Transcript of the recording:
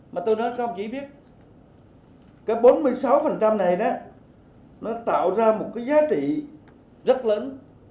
mà tôi nói các ông chỉ biết cái bốn mươi sáu này nó tạo ra một cái giá trị rất lớn